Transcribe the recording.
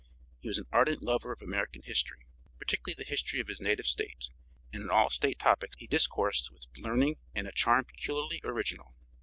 He was an ardent lover of American history, particularly the history of his native State, and on all State topics he discoursed with learning and a charm peculiarly original.